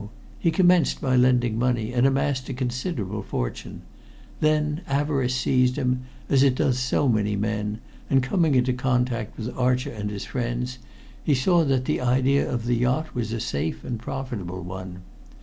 He commenced by lending money, and amassed a considerable fortune. Then avarice seized him, as it does so many men, and coming into contact with Archer and his friends, he saw that the idea of the yacht was a safe and profitable one.